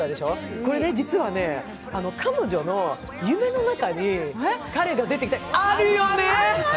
これね実は、彼女の夢の中に彼が出てきてあるよね。